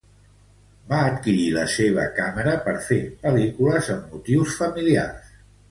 Va adquirir la seva càmera per fer pel·lícules amb motius familiars.